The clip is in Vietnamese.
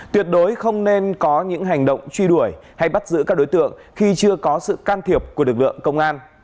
tuyệt đối không nên có những hành động truy đuổi hay bắt giữ các đối tượng khi chưa có sự can thiệp của lực lượng công an